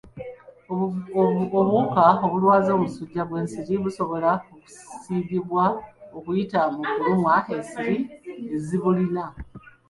Obuwuka obulwaza omusujja gw'ensiri busobola okusiigibwa okuyita mu kulumwa ensiri ezibulina.